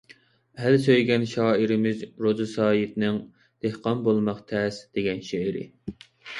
ئەل سۆيگەن شائىرىمىز روزى سايىتنىڭ «دېھقان بولماق تەس» دېگەن شېئىرى.